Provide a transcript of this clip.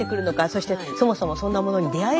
そしてそもそもそんなものに出会えるのか。